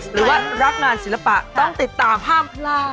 หรือว่ารักงานศิลปะต้องติดตามห้ามพลาด